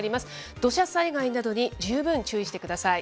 土砂災害などに十分注意してください。